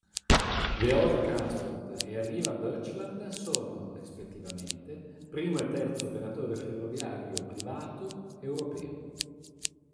Veolia Transport e Arriva Deutschland sono, rispettivamente, primo e terzo operatore ferroviario privato europeo.